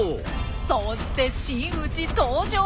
そして真打ち登場！